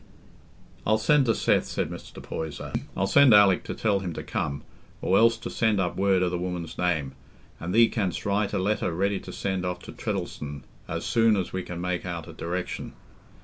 "I'll send to Seth," said Mr. Poyser. "I'll send Alick to tell him to come, or else to send up word o' the woman's name, an' thee canst write a letter ready to send off to Treddles'on as soon as we can make out a direction."